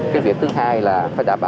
cái việc thứ hai là phải đảm bảo